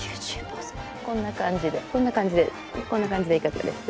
こんな感じでこんな感じでこんな感じでいかがです？